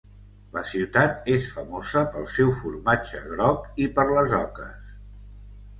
La ciutat és famosa pel seu formatge groc i per les oques.